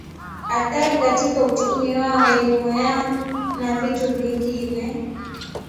Athari katika uchumi wao elimu yao na vitu vingine